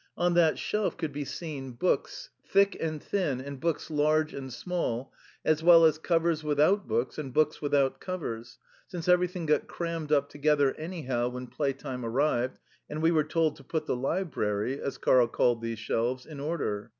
On that shelf could be seen books thick and thin and books large and small, as well as covers without books and books without covers, since everything got crammed up together anyhow when play time arrived and we were told to put the "library" (as Karl called these shelves) in order.